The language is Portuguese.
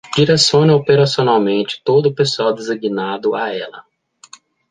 Direciona operacionalmente todo o pessoal designado a ela.